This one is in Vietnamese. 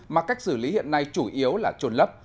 mà cách xử lý hiện nay chủ yếu là trồn lấp